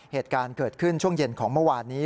เหตุการณ์เกิดขึ้นช่วงเย็นของเมื่อวานนี้